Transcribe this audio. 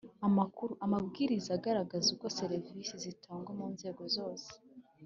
amakuru. Amabwiriza agaragaza uko serivisi zitangwa mu nzego zose